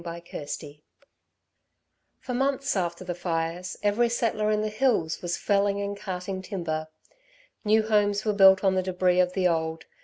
CHAPTER XVI For months after the fires every settler in the hills was felling and carting timber. New homes were built on the débris of the old.